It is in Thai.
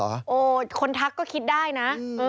โอ้โหคนทักก็คิดได้นะ